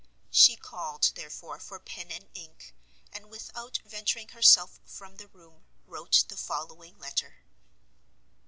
She called, therefore, for pen and ink, and without venturing herself from the room, wrote the following letter.